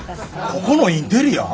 ここのインテリア？